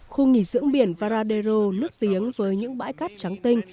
khu nghỉ dưỡng biển vardero nước tiếng với những bãi cát trắng tinh